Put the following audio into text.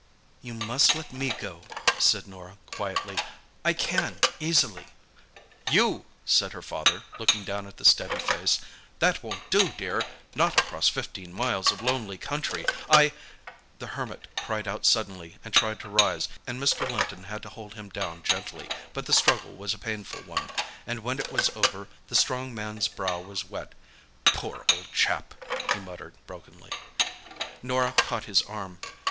"You must let me go," said Norah quietly. "I can—easily." "You!" said her father, looking down at the steady face. "That won't do, dear—not across fifteen miles of lonely country. I—" The Hermit cried out suddenly, and tried to rise, and Mr. Linton had to hold him down gently, but the struggle was a painful one, and when it was over the strong man's brow was wet. "Poor old chap!" he muttered brokenly. Norah caught his arm.